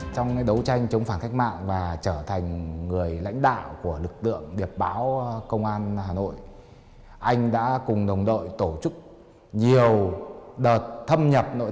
trong đấu tranh chống phản cách mạng và trở thành người lãnh đạo của lực tượng điệp báo công an hà nội